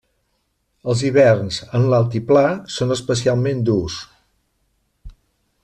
Els hiverns en l'altiplà són especialment durs.